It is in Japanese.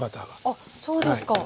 あっそうですか。